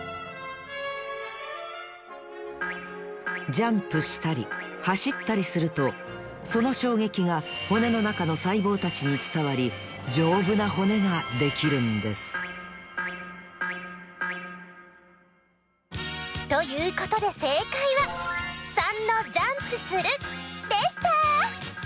ジャンプしたりはしったりするとそのしょうげきが骨のなかのさいぼうたちにつたわりじょうぶな骨ができるんですということでせいかいは③のジャンプするでした！